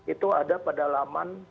itu ada pada laman